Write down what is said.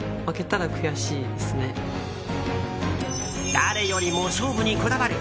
誰よりも勝負にこだわる。